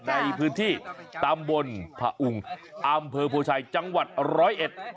ในพื้นที่ตำบลผอุงอำเภอโพชัยจังหวัดร้อยเอ็ด